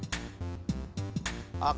あっ。